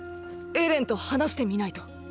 エレンと話してみないと。